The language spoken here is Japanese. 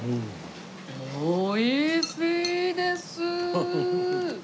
おいしいです！